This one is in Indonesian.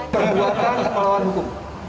perbuatan melawan hukum